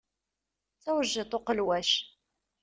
D tawejjiṭ uqelwac.